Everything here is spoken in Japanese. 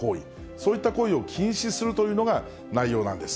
そういった行為を禁止するというのが内容なんです。